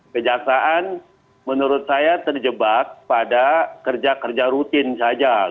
kejaksaan menurut saya terjebak pada kerja kerja rutin saja